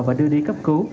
và đưa đi cấp cứu